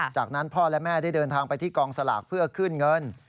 จากนั้นพ่อและแม่ได้เดินทางไปที่กองสลากเพื่อขึ้นเงิน